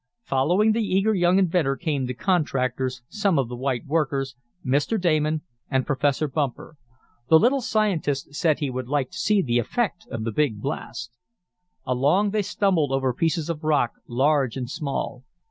Following the eager young inventor came the contractors, some of the white workers, Mr. Damon and Professor Bumper. The little scientist said he would like to see the effect of the big blast. Along they stumbled over pieces of rock, large and small.